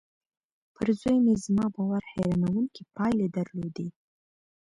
پر زوی مې زما باور حيرانوونکې پايلې درلودې.